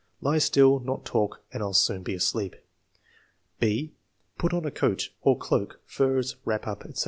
"Lie still, not talk, and I'll soon be asleep." (6) "Put on a coat" (or "cloak," "furs," "wrap up," etc.).